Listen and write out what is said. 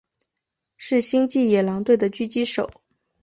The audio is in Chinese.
是星际野狼队的狙击手。